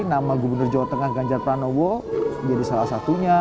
nama gubernur jawa tengah ganjar pranowo menjadi salah satunya